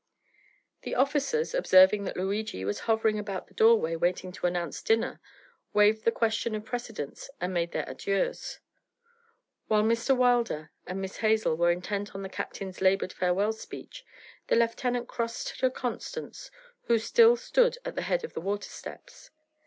The officers, observing that Luigi was hovering about the doorway waiting to announce dinner, waived the question of precedence and made their adieus. While Mr. Wilder and Miss Hazel were intent on the captain's laboured farewell speech, the lieutenant crossed to Constance, who still stood at the head of the water steps.